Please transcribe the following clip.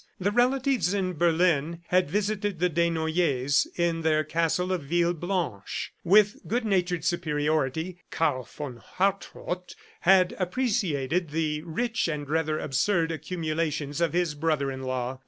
The relatives in Berlin had visited the Desnoyers in their castle of Villeblanche. With good natured superiority, Karl von Hartrott had appreciated the rich and rather absurd accumulations of his brother in law.